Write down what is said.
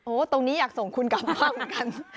โอ้ตรงนี้อยากส่งคุณกลับมากัน